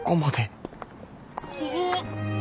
キリン。